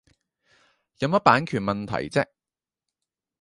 有乜版權問題啫